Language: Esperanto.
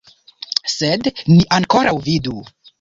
Sed ni ankoraŭ vidu!